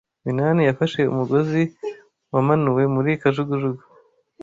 Minani yafashe umugozi wamanuwe muri kajugujugu.